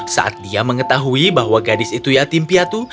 saat dia mengetahui bahwa gadis itu yatim piatu